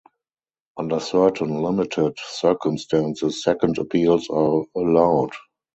Under certain, limited, circumstances, second appeals are allowed.